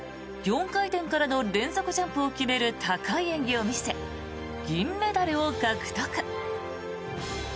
４回転からの連続ジャンプを決める高い演技を見せ銀メダルを獲得。